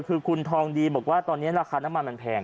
คือคุณทองดีบอกว่าตอนนี้ราคาน้ำมันมันแพง